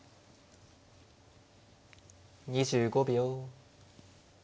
２５秒。